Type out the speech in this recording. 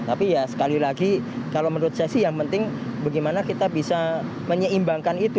tapi ya sekali lagi kalau menurut saya sih yang penting bagaimana kita bisa menyeimbangkan itu